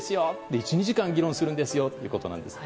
１２時間は議論するんですよということです。